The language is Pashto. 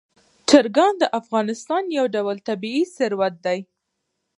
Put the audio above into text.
چرګان د افغانستان یو ډول طبعي ثروت دی.